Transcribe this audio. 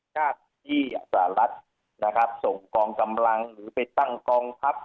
เจ้าหน้าที่สหรัฐนะครับส่งกองกำลังหรือไปตั้งกองทัพ